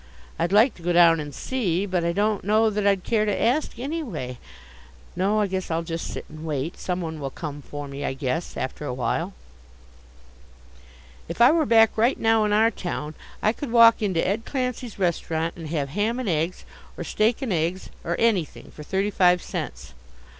I'd like to go down and see, but I don't know that I'd care to ask, anyway. No, I guess I'll just sit and wait. Some one will come for me, I guess, after a while. If I were back right now in our town, I could walk into Ed Clancey's restaurant and have ham and eggs, or steak and eggs, or anything, for thirty five cents.